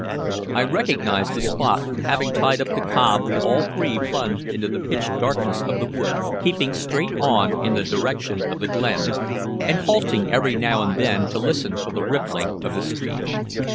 I recognized the spot, and having tied up the cob we all three plunged into the pitch darkness of the wood, keeping straight on in the direction of the glen, and halting every now and then to listen for the rippling of the stream.